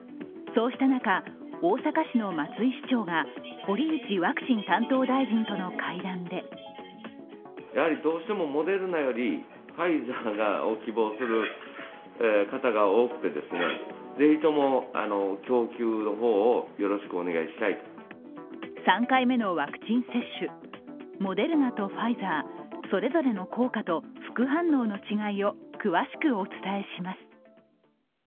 そうした中大阪市の松井市長が堀内ワクチン担当大臣との会談で３回目のワクチン接種、モデルナとファイザー、それぞれの効果と副反応の違いを詳しくお伝えします。